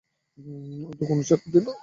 ও তো কোনো ছেলে অবধি না।